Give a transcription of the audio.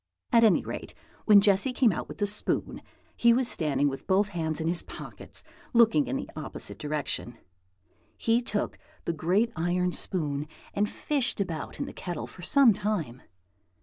At any rate, when Jessy came out with the spoon, he was standing with both hands in his pockets, looking in the opposite direction. He took the great iron spoon and fished about in the kettle for some time.